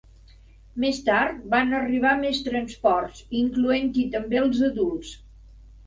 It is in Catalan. Més tard, van arribar més transports, incloent-hi també els adults.